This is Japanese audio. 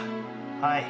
はい。